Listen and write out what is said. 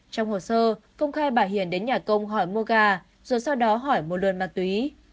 trong hồ sơ công khai bà hiền đến nhà công hỏi mua gà rồi sau đó hỏi mua lươn mà tùy